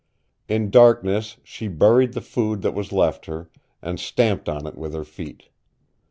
In darkness she buried the food that was left her, and stamped on it with her feet.